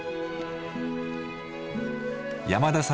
山田さん